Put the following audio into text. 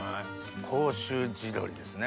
甲州地どりですね。